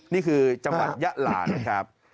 นี่คือจังหวัดยะลานะครับ